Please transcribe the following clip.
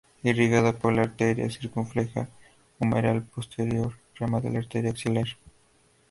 Irrigado por la arteria circunfleja humeral posterior, rama de la arteria axilar.